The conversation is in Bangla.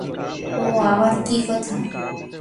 ও আবার কী কথা।